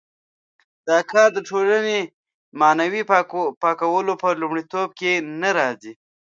دا کار د ټولنې معنوي پاکولو په لومړیتوبونو کې نه راځي.